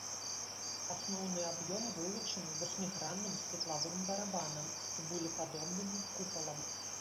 Асноўны аб'ём вылучаны васьмігранным светлавым барабанам з цыбулепадобным купалам.